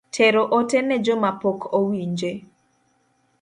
Tero ote ne jomapok owinje